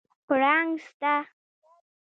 پړانګ سته؟